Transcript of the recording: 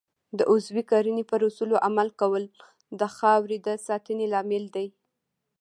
د عضوي کرنې پر اصولو عمل کول د خاورې د ساتنې لامل دی.